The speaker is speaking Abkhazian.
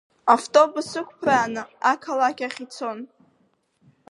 Автобус ықәԥрааны ақалақь ахь ицон.